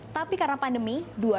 tapi karena pandemi